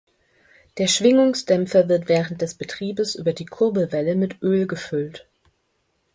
Der Schwingungsdämpfer wird während des Betriebes über die Kurbelwelle mit Öl gefüllt.